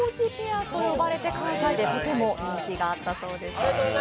ペアと呼ばれて、関西ではとても人気だったそうです。